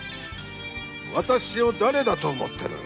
私を誰だと思ってる。